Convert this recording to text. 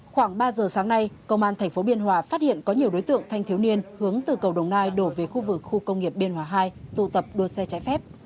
khoảng ba giờ sáng nay công an tp biên hòa phát hiện có nhiều đối tượng thanh thiếu niên hướng từ cầu đồng nai đổ về khu vực khu công nghiệp biên hòa hai tụ tập đua xe trái phép